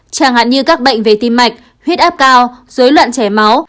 chẳng hạn như các bệnh về tim mạch huyết áp cao dối loạn chảy máu